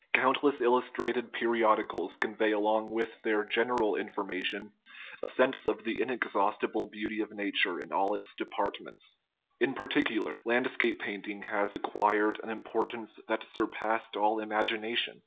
Countless illustrated periodicals convey along with their general information a sense of the inexhaust ible beauty of nature in all its departments. In par ticular, landscape painting has acquired an importance that surpassed all imagination.